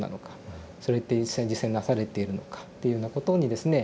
それって実際に実践なされているのかっていうようなことにですね